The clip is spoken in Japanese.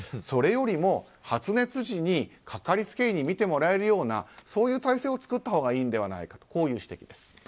それよりも発熱時に、かかりつけ医に診てもらえるような体制を作ったほうがいいのではないかという指摘です。